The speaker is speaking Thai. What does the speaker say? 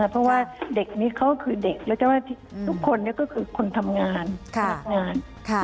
เพราะว่าเด็กนี้เขาคือเด็กแล้วทุกคนนี้ก็คือคนทำงาน